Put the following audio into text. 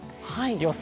予想